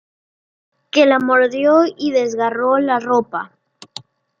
Que la mordió y desgarró la ropa.